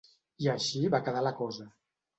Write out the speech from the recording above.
I així va quedar la cosa.